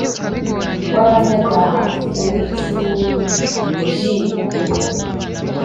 w'abanyabyaha uwicujij